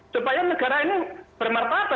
supaya negara ini bermartabat